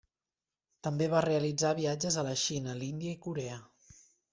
També va realitzar viatges a la Xina, l'Índia i Corea.